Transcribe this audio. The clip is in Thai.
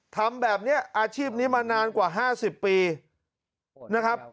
ทำแบบนี้อาชีพนี้มานานกว่า๕๐ปีนะครับ